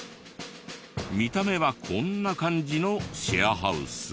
見た目はこんな感じのシェアハウス。